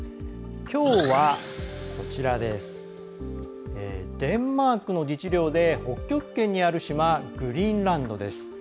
きょうは、デンマークの自治領で北極圏にある島グリーンランドです。